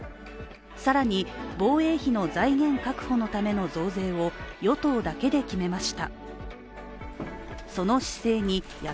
更に防衛費の財源確保のための増税を与党だけで決めました。